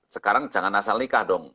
sekarang jangan asal nikah dong